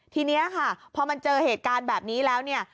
ทีนี้ค่ะพอมันเจอเหตุการณ์แบบนี้แล้วเนี่ย